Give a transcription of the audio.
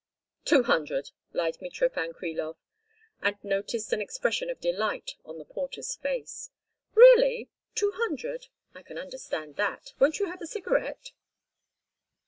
"Two hundred," lied Mitrofan Krilov, and noticed an expression of delight on the porter's face. "Really? Two hundred! I can understand that. Won't you have a cigarette?"